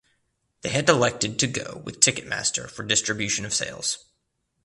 They had elected to go with Ticketmaster for distribution of sales.